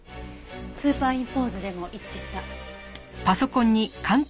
スーパーインポーズでも一致した。